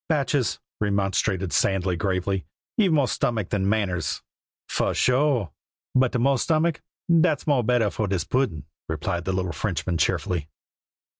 "Batchees," remonstrated Sandy gravely, "ye've more stomach than manners." "Fu sure! but de more stomach, dat's more better for dis puddin'," replied the little Frenchman cheerfully.